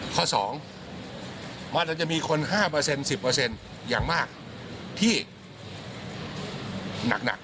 ข้อสองมันจะมีคน๕เปอร์เซ็นต์๑๐เปอร์เซ็นต์อย่างมากที่หนัก